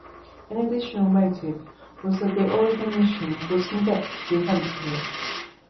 An additional motive was that the Oregon Mission was in debt to the Company.